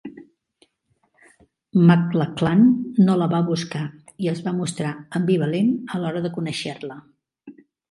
McLachlan no la va buscar i es va mostrar ambivalent a l'hora de conèixer-la.